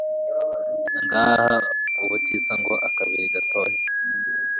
ngahaha ubutitsa ngo akabiri gatohe